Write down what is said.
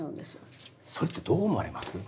それってどう思われます？